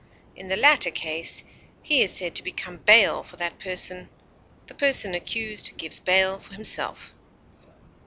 in the latter case, he is said to become bail for that person; the person accused gives bail for himself.